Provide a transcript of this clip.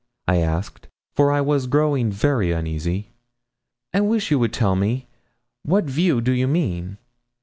I asked, for I was growing very uneasy. 'I wish you would tell me. What view do you mean?'